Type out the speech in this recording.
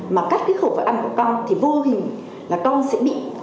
mà cắt cái khẩu vải ăn của con thì vô hình là con sẽ bị